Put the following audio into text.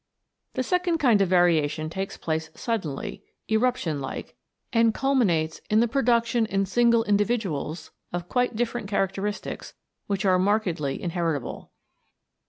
The second kind of variation takes place sud denly, eruption like, and culminates in the pro duction in single individuals of quite different characteristics which are markedly inheritable.